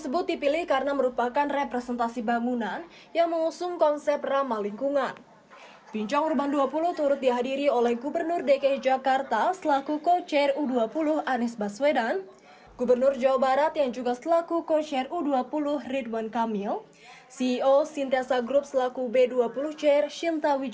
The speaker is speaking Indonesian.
bersama dengan gubernur dki jakarta bersama dengan gubernur dki jakarta